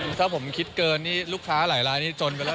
ผมคิดเกินลูกค้าทั้งหนึ่งลูกทภาพหลายเป็นพวกที่ทนไปแล้ว